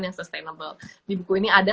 yang sustainable di buku ini ada